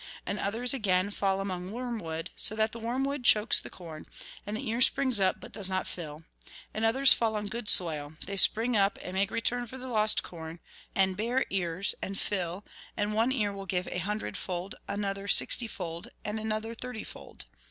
And others, again, fall among wormwood, so that the wormwood chokes the corn, and the ear springs up, but does not fill. And others fall on good soil ; they spring up, and make return for the lost corn, and bear ears, and fill, and one ear will give a hundredfold, another sixtyfold, and another thirtyfold.